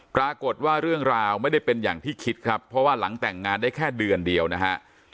ปรากฏว่าเรื่องราวไม่ได้เป็นอย่างที่คิดครับเพราะว่าหลังแต่งงานได้แค่เดือนเดียวนะฮะ